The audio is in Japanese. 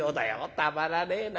たまらねえな。